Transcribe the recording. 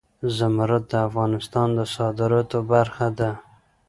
زمرد د افغانستان د صادراتو برخه ده.